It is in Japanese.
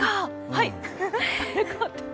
はい。